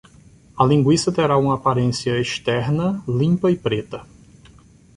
A linguiça terá uma aparência externa limpa e preta.